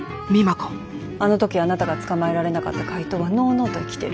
あの時あなたが捕まえられなかった怪盗はのうのうと生きてる。